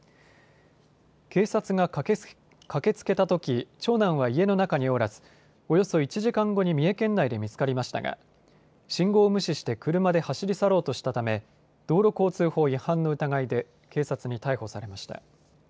警察が駆けつけたとき長男は家の中におらずおよそ１時間後に三重県内で見つかりましたが信号を無視して車で走り去ろうとしたため道路交通法違反の疑いで警察に逮捕されました。